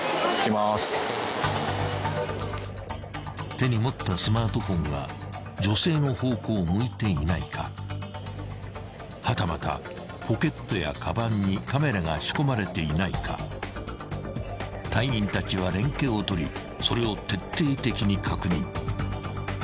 ［手に持ったスマートフォンが女性の方向を向いていないかはたまたポケットやかばんにカメラが仕込まれていないか隊員たちは連携を取りそれを徹底的に確認］